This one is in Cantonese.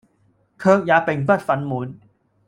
卻也並不憤懣，